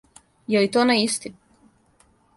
Је ли то онај исти?